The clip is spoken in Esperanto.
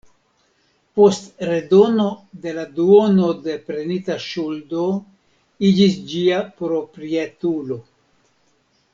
Post redono de la duono de prenita ŝuldo iĝis ĝia proprietulo.